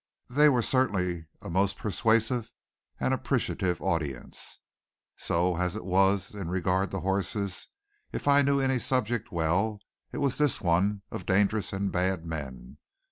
They were certainly a most persuasive and appreciative audience. So as it was in regard to horses, if I knew any subject well, it was this one of dangerous and bad men.